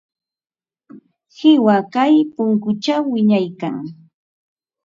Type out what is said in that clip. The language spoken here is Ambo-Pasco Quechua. Qiwa kay punkućhaw wiñaykan.